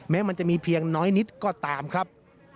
มันจะมีเพียงน้อยนิดก็ตามครับ